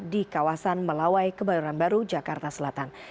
di kawasan melawai kebayoran baru jakarta selatan